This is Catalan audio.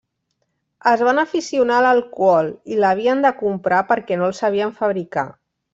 Es van aficionar a l'alcohol i l'havien de comprar perquè no el sabien fabricar.